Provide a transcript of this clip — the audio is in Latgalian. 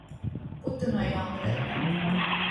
Putynoj jau nu reita.